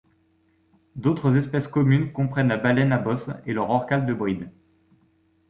D’autres espèces communes comprennent la baleine à bosse et le rorqual de Bryde.